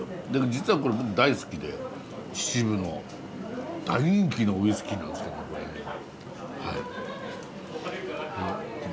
実はこれ僕大好きで秩父の大人気のウイスキーなんですけどもこれはい。